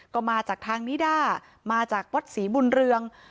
ก็มาจากทางนิด้ามาจากวัดศรีบุญเรือง